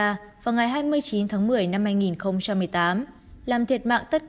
tuy nhiên máy bay đã bị rơi ở ngoài khơi bờ biển indonesia vào ngày hai mươi chín tháng một mươi năm hai nghìn một mươi tám